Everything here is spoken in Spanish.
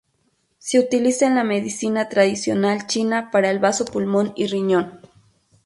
Se utiliza en la Medicina tradicional china para el bazo, pulmón y riñón.